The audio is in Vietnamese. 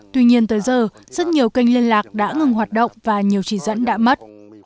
tuy nhiên tới giờ rất nhiều kênh liên lạc đã ngừng hoạt động và nhiều chỉ dẫn đã mất